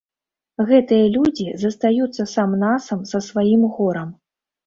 Гэтыя людзі застаюцца сам-насам са сваім горам.